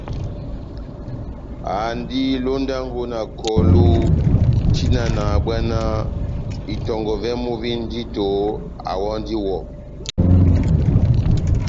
Andi londango na kɔlu tian nahábwanáh itɔngɔ vɛ́mu vi ndito awandi iwɔ.